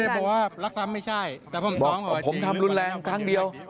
บอกว่าผมทำรุนแรงครั้งเดียว